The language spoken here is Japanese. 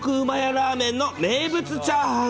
ラーメンの名物チャーハン。